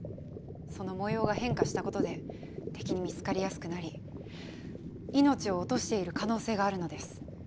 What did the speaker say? その模様が変化したことで敵に見つかりやすくなり命を落としている可能性があるのです。